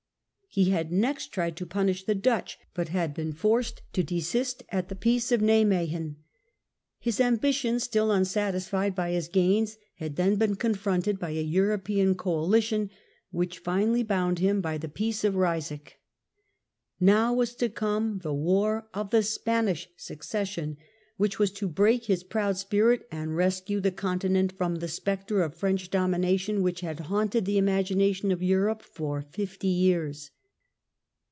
He had next ^^.^^^^ tried to punish the Dutch, but had been European forced to desist at the Peace of Nimuegen. *i""°" His ambition, still unsatisfied by his gains, had then been confronted by a European coalition, which finally bound him by the Peace of Ryswick. Now was to come the war of the Spanish Succession, which was to break his proud spirit and rescue the Continent from the spectre of French domination which had haunted the imagination of Europe for fifty years.